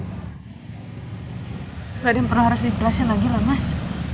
tidak ada yang perlu harus dijelasin lagi lah mas